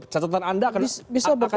catatan anda akan